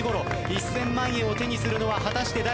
１，０００万円を手にするのは果たして誰なのか。